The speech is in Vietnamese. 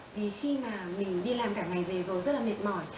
vì khi mà mình đi làm cả ngày về rồi rất là mệt mỏi